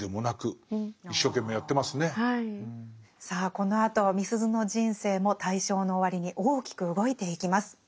さあこのあとみすゞの人生も大正の終わりに大きく動いていきます。